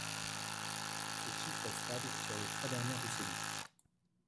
Ce chiffre est stable sur les trois dernières décennies.